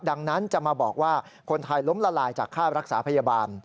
ดังนั้นจะมาบอกว่าคนไทยล้มละลายจากค่ารักษาพยาบาล